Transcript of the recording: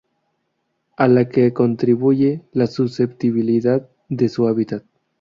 A la que contribuye la susceptibilidad de su hábitat